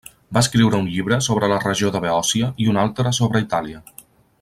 Va escriure un llibre sobre la regió de Beòcia i un altre sobre Itàlia.